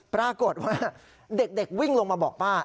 ปรากฏว่าเด็กวิ่งลงมาบอกป้า